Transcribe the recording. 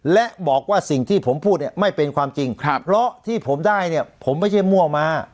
และบอกว่าสิ่งที่ผมพูดเนี่ยไม่เป็นความจริงเพราะที่ผมได้เนี่ยผมไม่ใช่มั่วมา